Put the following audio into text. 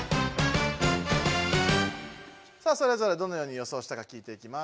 さあそれぞれどのように予想したか聞いていきます。